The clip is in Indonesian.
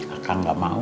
aku gak mau